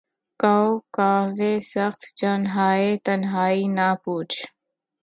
کاؤ کاوِ سخت جانیہائے تنہائی، نہ پوچھ